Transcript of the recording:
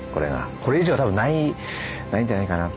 これ以上は多分ないないんじゃないかなと。